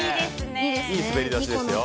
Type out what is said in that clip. いい滑り出しですよ。